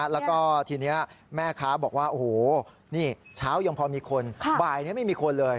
แล้วก็ทีนี้แม่ค้าบอกว่าโอ้โหนี่เช้ายังพอมีคนบ่ายนี้ไม่มีคนเลย